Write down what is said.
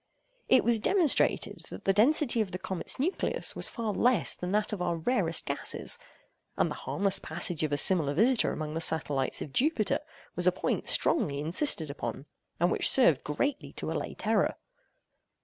It was demonstrated, that the density of the comet's nucleus was far less than that of our rarest gas; and the harmless passage of a similar visitor among the satellites of Jupiter was a point strongly insisted upon, and which served greatly to allay terror.